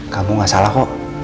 kamu gak salah kok